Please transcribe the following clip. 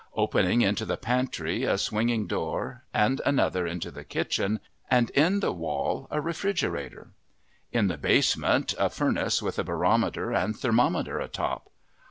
Opening into the pantry a swinging door, and another into the kitchen, and in the wall a refrigerator. In the basement a furnace with a barometer and thermometer atop.